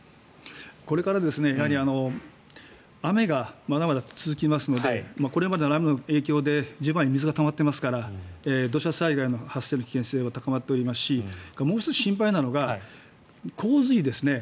これから雨がまだまだ続きますのでこれまでの雨の影響で地盤に水がたまっていますから土砂災害の発生の危険性も高まっておりますしもう１つ心配なのが洪水ですね。